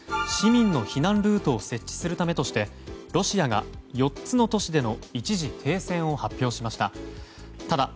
市民の避難ルートを設置するためとしてロシアが４つの都市での一時停戦を発表しました。